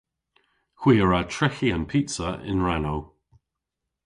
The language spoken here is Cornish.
Hwi a wra treghi an pizza yn rannow.